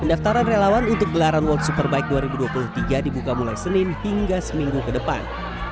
pendaftaran relawan untuk gelaran world superbike dua ribu dua puluh tiga dibuka mulai senin hingga seminggu ke depan